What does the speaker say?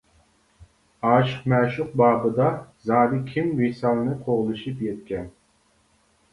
ئاشىق مەشۇق بابىدا زادى كىم ۋىسالنى قوغلىشىپ يەتكەن.